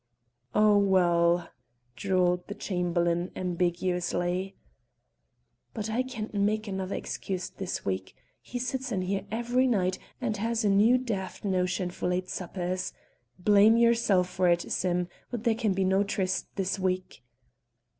"Oh! well!" drawled the Chamberlain, ambiguously. "But I can't make another excuse this week. He sits in here every night, and has a new daft notion for late suppers. Blame yourself for it, Sim, but there can be no trysts this week."